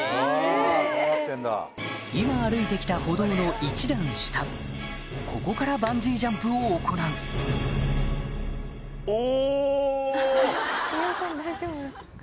今歩いて来た歩道の１段下ここからバンジージャンプを行うお！